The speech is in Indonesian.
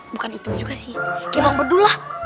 bukan itu juga sih kayak emang bedul lah